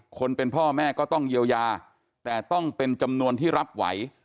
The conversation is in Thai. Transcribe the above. คนเป็นพ่อแม่ก็ต้องเยียวยาแต่ต้องเป็นจำนวนที่รับไหว